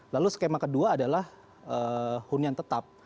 lalu skema kedua adalah hunian tetap